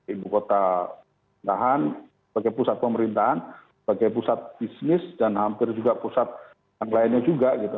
ibu kota tahan sebagai pusat pemerintahan sebagai pusat bisnis dan hampir juga pusat yang lainnya juga gitu